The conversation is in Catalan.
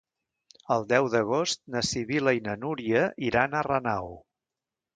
El deu d'agost na Sibil·la i na Núria iran a Renau.